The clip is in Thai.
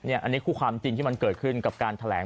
อันนี้คือความจริงที่มันเกิดขึ้นกับการแถลง